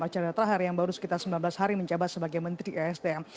archandra thakar yang baru sekitar sembilan belas hari menjabat sebagai menteri sdm